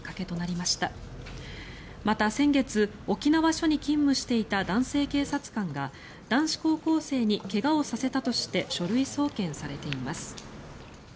また、先月沖縄署に勤務していた男性警察官が男子高校生に怪我をさせたとして書類送検されています。